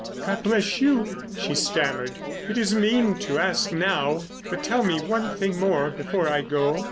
"God bless you," she stammered. "It is mean to ask now, but tell me one thing more before I go.